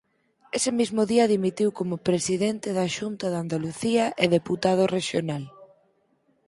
Ese mesmo día dimitiu como Presidente da Xunta de Andalucía e Deputado rexional.